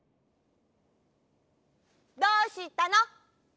どうしたの？